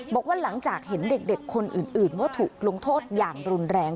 บอกว่าหลังจากเห็นเด็กคนอื่นว่าถูกลงโทษอย่างรุนแรง